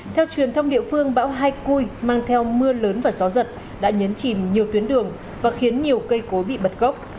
theo truyền thông địa phương bão hai cui mang theo mưa lớn và gió giật đã nhấn chìm nhiều tuyến đường và khiến nhiều cây cối bị bật gốc